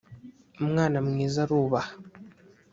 umwana mwiza arubaha.